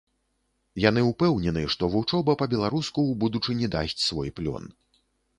Яны ўпэўнены, што вучоба па-беларуску ў будучыні дасць свой плён.